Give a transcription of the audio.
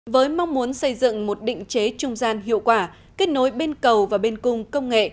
với mong muốn xây dựng một định chế trung gian hiệu quả kết nối bên cầu và bên cung công nghệ